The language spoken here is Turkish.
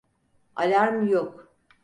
Alarm yok.